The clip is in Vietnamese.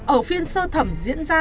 ở phiên sơ thẩm diễn ra